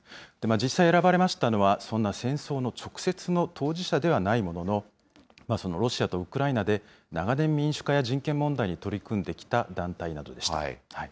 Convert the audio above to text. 実際選ばれましたのは、そんな戦争の直接の当事者ではないものの、そのロシアとウクライナで長年、民主化や人権問題に取り組んできた団体などでした。